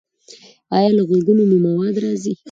ایا له غوږونو مو مواد راځي؟